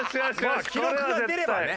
まあ記録が出ればね。